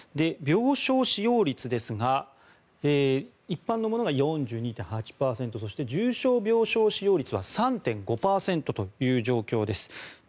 病床使用率ですが一般のものが４２．８％そして重症病床使用率は３．５％という状況です。